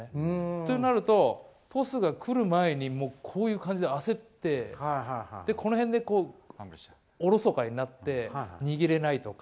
となると、トスがくる前に焦ってこの辺でおろそかになって握れないとか。